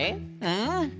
うん。